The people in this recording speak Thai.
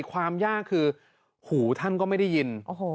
ความยากคือหูท่านก็ไม่ได้ยิน